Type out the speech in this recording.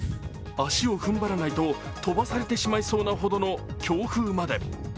足を踏ん張らないと飛ばされてしまいそうな強風まで。